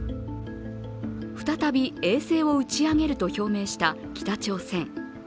再び衛星を打ち上げると表明した北朝鮮。